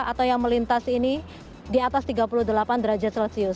atau yang melintas ini di atas tiga puluh delapan derajat celcius